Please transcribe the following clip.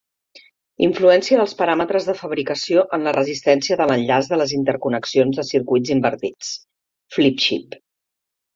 Influència dels paràmetres de fabricació en la resistència de l'enllaç de les interconnexions de circuits invertits ("flip-chip").